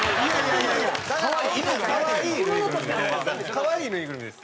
かわいいぬいぐるみです。